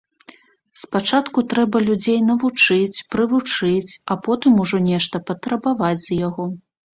Спачатку трэба людзей навучыць, прывучыць, а потым ужо нешта патрабаваць з яго.